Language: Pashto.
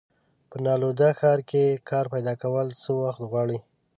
په ناولده ښار کې کار پیداکول څه وخت غواړي.